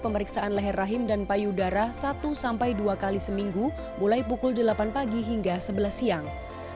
pemeriksaan leher rahim dan payudara satu sampai dua kali seminggu mulai pukul delapan pagi hingga sebelas siang